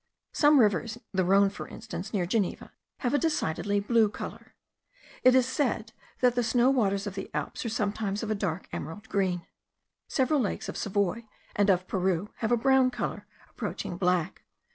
Some rivers, the Rhone for instance, near Geneva, have a decidedly blue colour. It is said, that the snow waters of the Alps are sometimes of a dark emerald green. Several lakes of Savoy and of Peru have a brown colour approaching black.